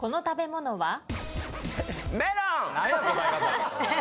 この食べ物は？